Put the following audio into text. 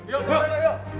yuk yuk yuk